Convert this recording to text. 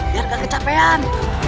biar gak kecapean